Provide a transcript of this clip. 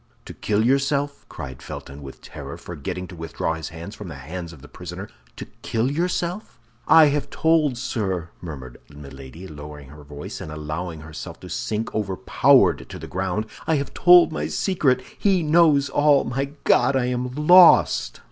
"To kill yourself?" cried Felton, with terror, forgetting to withdraw his hands from the hands of the prisoner, "to kill yourself?" "I have told, sir," murmured Milady, lowering her voice, and allowing herself to sink overpowered to the ground; "I have told my secret! He knows all! My God, I am lost!"